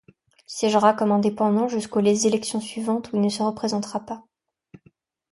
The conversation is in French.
Il siègera comme indépendant jusqu'aux élections suivantes où il ne se représentera pas.